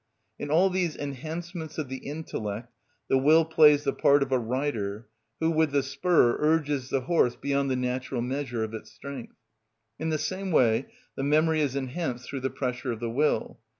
In all these enhancements of the intellect the will plays the part of a rider who with the spur urges the horse beyond the natural measure of its strength. In the same way the memory is enhanced through the pressure of the will.